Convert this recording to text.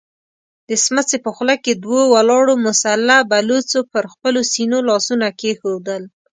د سمڅې په خوله کې دوو ولاړو مسلح بلوڅو پر خپلو سينو لاسونه کېښودل.